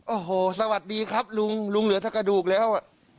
โอ้โหสวัสดีครับลุงลุงเหลือแต่กระดูกแล้ว